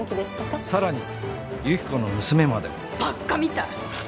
更に由紀子の娘までもバッカみたい。